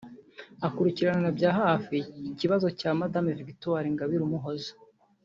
Akurikiranira bya hafi ikibazo cya Madame Victoire Ingabire Umuhoza